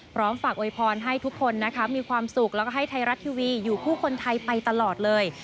พร้อมฝากโวยพรให้ทุกคนนะคะมีความสุขแล้วก็ให้ไทยรัฐทีวีอยู่คู่คนไทยไปตลอดเลย